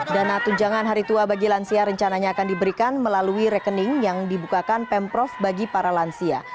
dana tunjangan hari tua bagi lansia rencananya akan diberikan melalui rekening yang dibukakan pemprov bagi para lansia